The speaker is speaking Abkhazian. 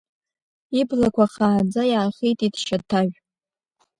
Иблақәа хааӡа иаахитит Шьаҭажә.